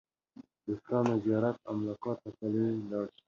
د دوستانو زیارت او ملاقات ته پلي لاړ شئ.